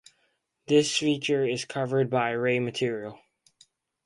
This feature is covered by ray material.